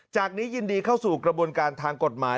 นี้ยินดีเข้าสู่กระบวนการทางกฎหมาย